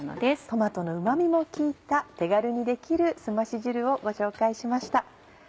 トマトのうま味も効いた手軽にできるすまし汁をご紹介しました。